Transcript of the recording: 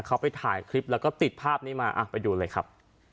เขาไปถ่ายคลิปแล้วก็ติดภาพนี้มาไปดูเลยครับ